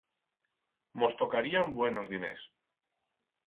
Mos tocarían buenos diners.